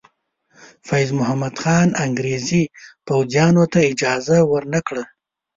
فیض محمد خان انګریزي پوځیانو ته اجازه ور نه کړه.